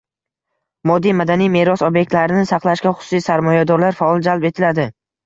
Moddiy madaniy meros obyektlarini saqlashga xususiy sarmoyadorlar faol jalb etiladi